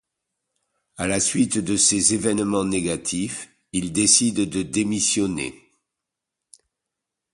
À la suite de ces événements négatifs il décide de démissionner.